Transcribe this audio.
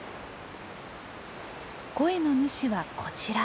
声の主はこちら。